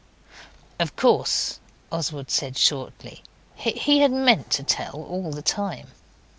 'Of course,' Oswald said shortly. He had meant to tell all the time.